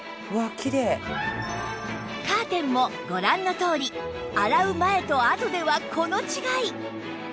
カーテンもご覧のとおり洗う前と後ではこの違い！